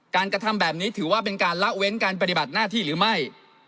กระทำแบบนี้ถือว่าเป็นการละเว้นการปฏิบัติหน้าที่หรือไม่